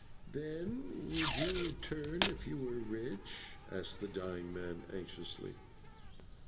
"Then would you return if you were rich?" asked the dying man anxiously.